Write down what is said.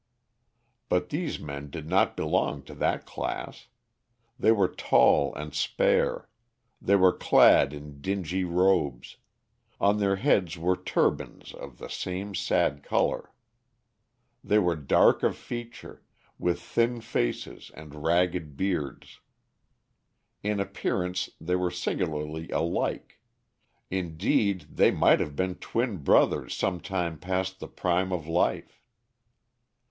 But these men did not belong to that class. They were tall and spare; they were clad in dingy robes; on their heads were turbans of the same sad color. They were dark of feature, with thin faces and ragged beards. In appearance they were singularly alike; indeed, they might have been twin brothers some time past the prime of life.